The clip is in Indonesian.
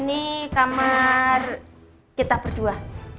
ini kamar kita berdua